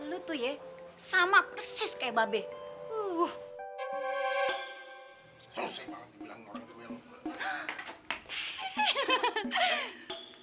lo tuh ya sama persis kayak babi